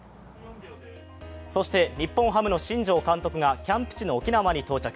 そして日本ハムの新庄監督がキャンプ地の沖縄に到着。